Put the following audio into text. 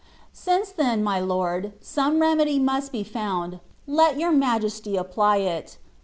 Since, then, my Lord, some remedy must be found, let Your Majesty apply it.